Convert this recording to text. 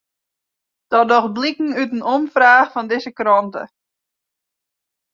Dat docht bliken út in omfraach fan dizze krante.